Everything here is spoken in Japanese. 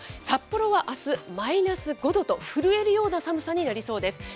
札幌はあす、マイナス５度と、震えるような寒さになりそうです。